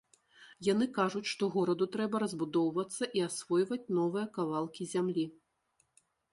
Яны кажуць, што гораду трэба разбудоўвацца і асвойваць новыя кавалкі зямлі.